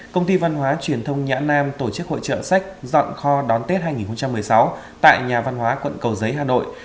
công ty văn hóa truyền thông nhã nam tổ chức hội trợ sách dọn kho đón tết hai nghìn một mươi sáu tại nhà văn hóa quận cầu giấy hà nội